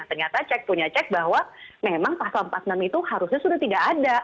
ternyata cek punya cek bahwa memang pasal empat puluh enam itu harusnya sudah tidak ada